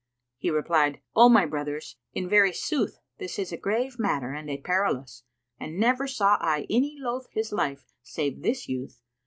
He replied, "O my brothers, in very sooth this is a grave matter and a perilous; and never saw I any loathe his life save this youth.